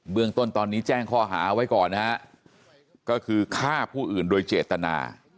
เมืองต้นตอนนี้แจ้งข้อหาไว้ก่อนนะฮะก็คือฆ่าผู้อื่นโดยเจตนา